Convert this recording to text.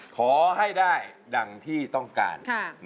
ขอให้ได้ดังที่ต้องการ